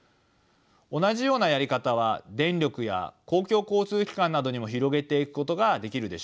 同じようなやり方は電力や公共交通機関などにも広げていくことができるでしょう。